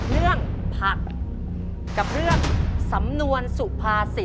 เรื่องผักกับเรื่องสำนวนสุภาษิต